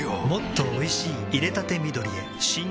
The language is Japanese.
もっとおいしい淹れたて緑へ新！